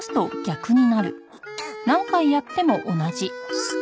うっ。